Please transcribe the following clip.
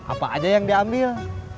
apa aja yang diambil